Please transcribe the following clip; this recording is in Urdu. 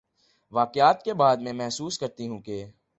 واقعات کے بعد میں محسوس کرتی ہوں کہ